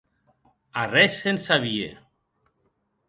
Arrés se’n sabie.